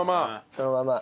そのまま。